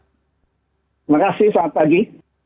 terima kasih selamat pagi